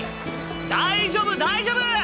大丈夫大丈夫！